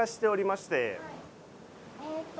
えっと